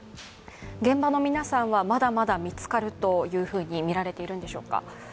現場の皆さんは、まだまだ見つかるとみられているんでしょうか？